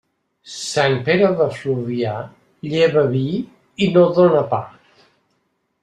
Sant Pere de Fluvià lleva vi i no dóna pa.